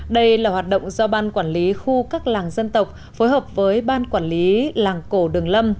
đây là hoạt động do ban quản lý khu các làng dân tộc phối hợp với ban quản lý làng cổ đường lâm